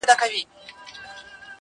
عدالت بايد رامنځته سي ژر